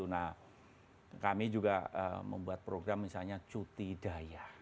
nah kami juga membuat program misalnya cuti daya